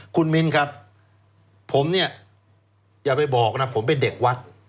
คุณมิ้นครับผมเนี่ยอย่าไปบอกนะผมเป็นเด็กวัด